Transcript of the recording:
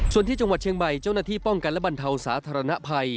ส่วนที่จังหวัดเชียงใหม่เจ้าหน้าที่ป้องกันและบรรเทาสาธารณภัย